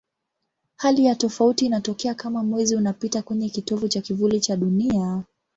Hali ya tofauti inatokea kama Mwezi unapita kwenye kitovu cha kivuli cha Dunia.